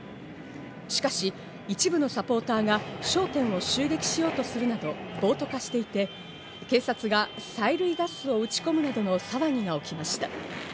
しかし、一部のサポーターが商店を襲撃しようとするなど暴徒化していて、警察が催涙ガスを打ち込むなどの騒ぎが起きました。